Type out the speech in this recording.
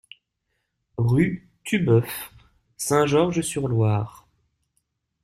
Rue Tuboeuf, Saint-Georges-sur-Loire